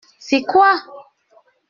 C’est quoi ?